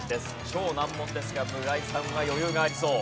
超難問ですが村井さんは余裕がありそう。